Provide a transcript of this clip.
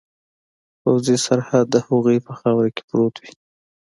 پوځي سرحد د هغوی په خاوره کې پروت وي.